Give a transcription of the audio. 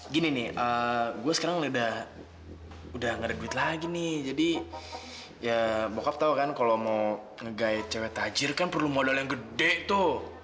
gini nih gue sekarang udah ngeduit lagi nih jadi ya bokap tau kan kalau mau ngegait cewek tajir kan perlu modal yang gede tuh